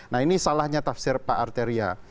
nah ini salahnya tafsir pak arteria